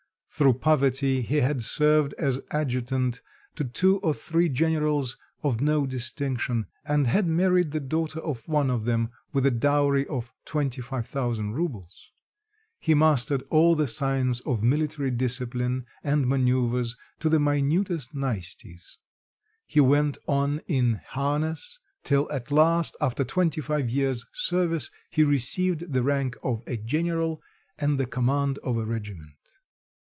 Through poverty, he had served as adjutant to two or three generals of no distinction, and had married the daughter of one of them with a dowry of twenty five thousand roubles. He mastered all the science of military discipline and manoeuvres to the minutest niceties, he went on in harness, till at last, after twenty five years' service, he received the rank of a general and the command of a regiment.